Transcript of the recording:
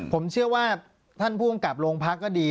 ผมเชื่อว่าท่านผู้กำกับโรงพักก็ดี